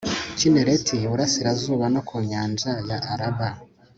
kinereti iburasirazuba no ku nyanja ya araba